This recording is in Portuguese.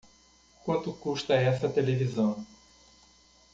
Quanta custa essa televisão?